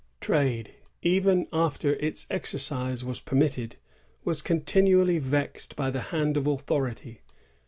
Trade, even after its exercise was permitted, was continually vexed by the hand of authority.